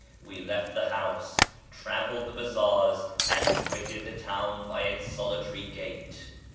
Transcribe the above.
We left the house, traversed the bazaars, and quitted the town by its solitary gate.